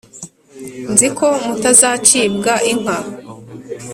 nzi ko mutazacibwa inka: